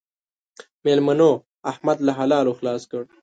مېلمنو؛ احمد له حلالو خلاص کړ.